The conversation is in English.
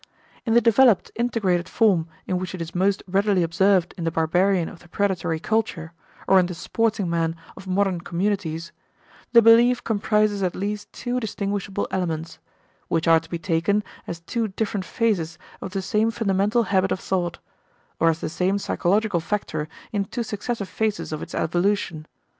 In the developed, integrated form in which it is most readily observed in the barbarian of the predatory culture or in the sporting man of modern communities, the belief comprises at least two distinguishable elements which are to be taken as two different phases of the same fundamental habit of thought, or as the same psychological factor in two successive phases of its evolution.